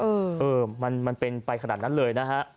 เออเออมันเป็นไปขนาดนั้นเลยนะฮะ